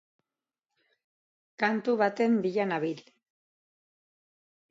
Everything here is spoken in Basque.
Kantu baten bila nabil.